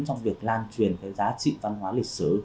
trong việc lan truyền cái giá trị văn hóa lịch sử